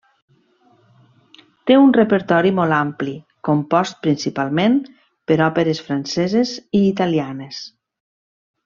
Té un repertori molt ampli, compost principalment per òperes franceses i italianes.